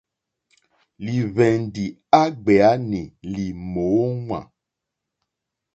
Lìhwɛ̀ndì á gbēánì lì mòóŋwà.